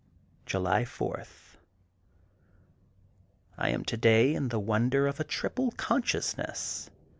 July 4: — ^I am today in the wonder of a triple consciousness.